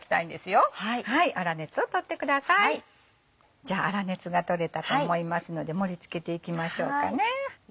じゃあ粗熱が取れたと思いますので盛り付けていきましょうかね。